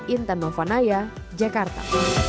intan novanaya jakarta